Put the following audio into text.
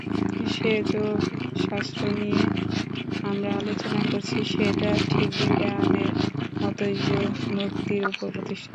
যে যোগশাস্ত্র নিয়ে আমরা আলোচনা করছি, সেটা ঠিক বিজ্ঞানের মতই যুক্তির উপর প্রতিষ্ঠিত।